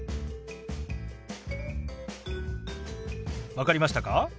分かりましたか？